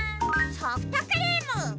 ソフトクリーム！